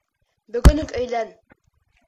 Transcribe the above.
Бөгөн үк өйлән!